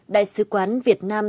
đại sứ quán việt nam